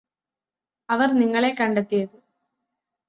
അവര് നിങ്ങളെ കണ്ടെത്തിയത്